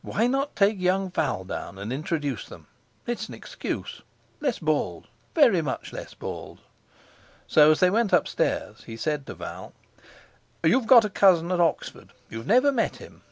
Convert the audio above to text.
Why not take young Val down and introduce them! It's an excuse! Less bald—very much less bald!" So, as they went upstairs, he said to Val: "You've got a cousin at Oxford; you've never met him.